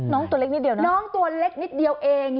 ตัวเล็กนิดเดียวนะน้องตัวเล็กนิดเดียวเอง